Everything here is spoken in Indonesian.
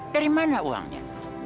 dari mana uangnya